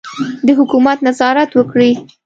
د حکومت نظارت وکړي.